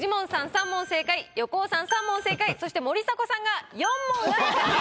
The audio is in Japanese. ３問正解横尾さん３問正解そして森迫さんが４問正解で。